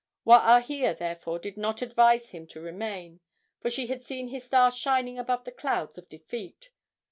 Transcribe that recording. Waahia, therefore, did not advise him to remain, for she had seen his star shining above the clouds of defeat.